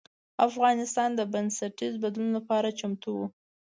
افغانستان د بنسټیز بدلون لپاره چمتو و.